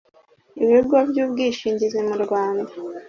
ibigo by ubwishingizi mu Rwanda